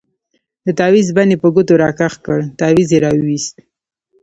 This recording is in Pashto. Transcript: د تاويز بند يې په ګوتو راكښ كړ تاويز يې راوايست.